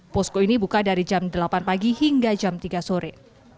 posko ini buka dari jam delapan pagi hingga jam tiga sore